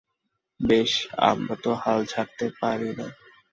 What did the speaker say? বেশ, আমরা তো হাল ছাড়তে পারি না।